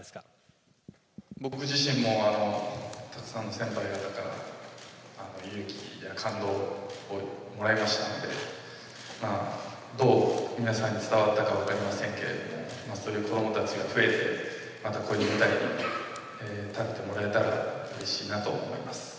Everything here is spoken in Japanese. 僕自身もたくさんの先輩方から、勇気や感動をもらいましたので、どう皆さんに伝わったか分かりませんけれども、そういう子どもたちが増えて、またこういう舞台に立ってもらえたらうれしいなと思います。